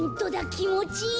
きもちいい！